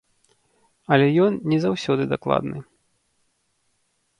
Але ён не заўсёды дакладны.